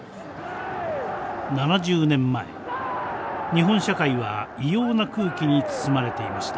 ７０年前日本社会は異様な空気に包まれていました。